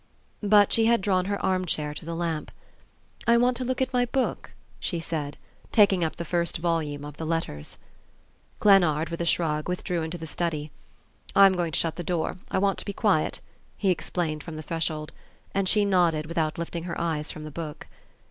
But she had drawn her armchair to the lamp. "I want to look at my book," she said, taking up the first volume of the "Letters." Glennard, with a shrug, withdrew into the study. "I'm going to shut the door; I want to be quiet," he explained from the threshold; and she nodded without lifting her eyes from the book.